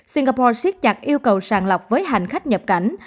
singapore siết chặt yêu cầu sàng lọc với hành khách nhập cảnh